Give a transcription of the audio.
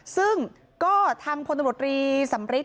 ซึ่งก็ทางพลตำรวจรีสำริท